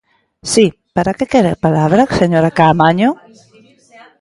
Si, ¿para que quere a palabra, señora Caamaño?